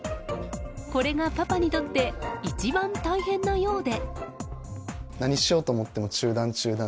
これが、パパにとって一番大変なようで。